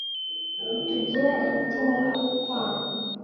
Ntitugira imitima yo kukwanga,